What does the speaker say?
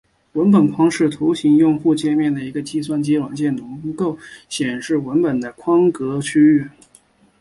文本框是图形用户界面的计算机软件中能够显示文本的框格区域。